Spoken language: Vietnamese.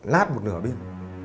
lát một nửa đêm